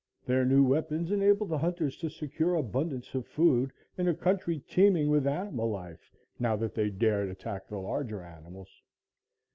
Their new weapons enabled the hunters to secure abundance of food in a country teeming with animal life, now that they dared attack the larger animals.